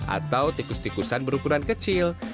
atau tikus tikusan berukuran kecil